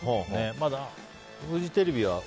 まだフジテレビは？